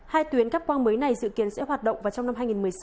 hai tuyến cắp quang mới này dự kiến sẽ hoạt động vào trong năm hai nghìn một mươi sáu